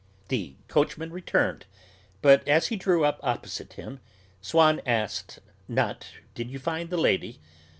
The coachman returned; but, as he drew up opposite him, Swann asked, not "Did you find the lady?"